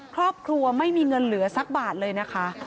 ครอบครัวไม่มีเงินเหลือสักบาทเลยนะคะ